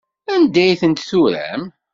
Anda ay tent-turam?